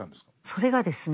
それがですね